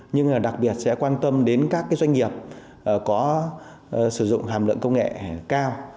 nhưng đặc biệt sẽ quan tâm đến các doanh nghiệp có sử dụng hàm lượng công nghệ cao